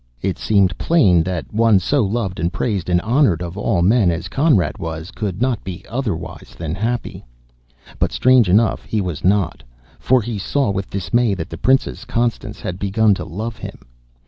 It seemed plain that one so loved and praised and honored of all men as Conrad was, could not be otherwise than happy. But strange enough, he was not. For he saw with dismay that the Princess Constance had begun to love him!